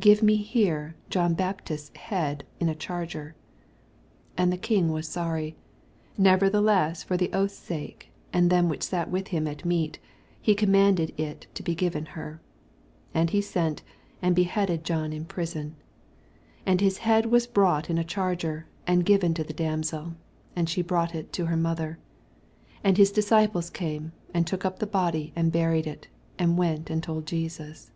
Give me here John Baptises head in a charger. 9 And the king was sorry : never theless for the oath's sake, and them which sat with him at meat, he com manded i^ to be given her, 10 And he sent, and beheaded John in the prison. 11 And his head was brought in a chai^er, and given to the damsel: and she brought U to her mother. 12 And his disciples came, and took up the body and buried it, and went and told Jesus.